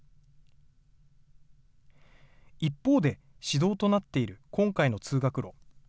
一方で、市道となっている今回の通学路。